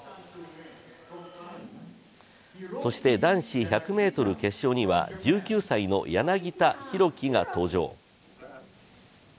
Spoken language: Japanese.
そして、男子１００ｍ決勝には１９歳の柳田大輝が登場。